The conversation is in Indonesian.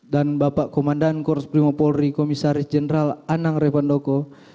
dan bapak komandan korus primo polri komisaris jenderal anang revandoko